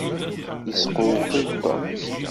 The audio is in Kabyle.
Yesqewqiw Tom.